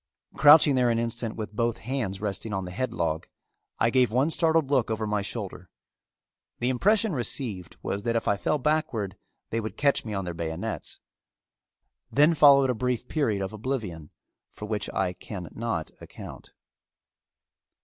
Crouching there an instant with both hands resting on the headlog, I gave one startled look over my shoulder. The impression received was that if I fell backward they would catch me on their bayonets. Then followed a brief period of oblivion for which I can not account.